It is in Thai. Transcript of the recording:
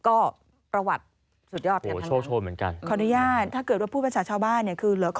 ก็ประวัติสุดยอดกันทั้งนั้นนะครับขออนุญาตถ้าเกิดว่าผู้เป็นชาวบ้านเนี่ยคือเหลือขอ